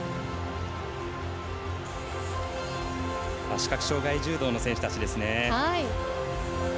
視覚障がい柔道の選手たち。